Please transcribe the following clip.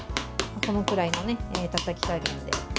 このくらいのたたき加減で。